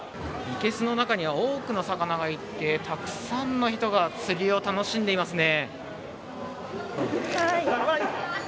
いけすの中には大きな魚がいてたくさんの人が釣りを楽しんでいますね。